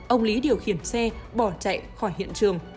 ông lý điều khiển xe bỏ chạy khỏi hiện trường